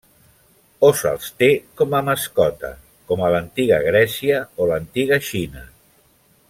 O se'ls té com a mascota, com a l'Antiga Grècia o l'Antiga Xina.